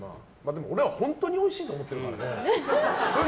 俺は本当においしいと思ってるからね。